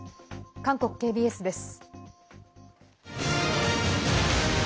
韓国ＫＢＳです。